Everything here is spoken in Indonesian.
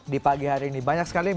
di pagi hari ini banyak sekali